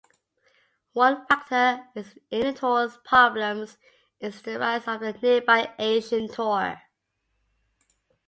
One factor in the tour's problems is the rise of the nearby Asian Tour.